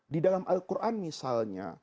di dalam al quran misalnya